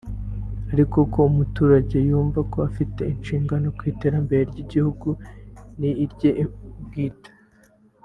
ari uko buri muturage yumva ko afite inshingano ku iterambere ry’igihugu n’irye bwite